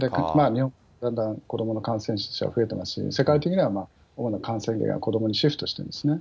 だんだん子どもの感染者が増えてますし、世界的には感染源は子どもにシフトしていますね。